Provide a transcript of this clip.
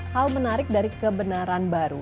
hal menarik dari kebenaran baru